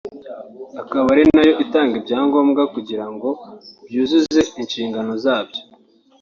akaba ari nayo itanga ibyangombwa kugira ngo byuzuze inshingano zabyo